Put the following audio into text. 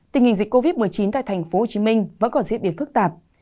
tình hình dịch covid một mươi chín tại thành phố hồ chí minh vẫn còn diễn biến phức tạp